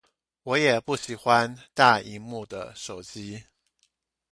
我也不喜歡大螢幕的手機